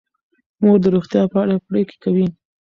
مور د روغتیا په اړه پریکړې کوي.